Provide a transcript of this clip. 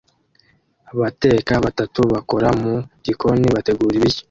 Abateka batatu bakora mu gikoni bategura ibiryo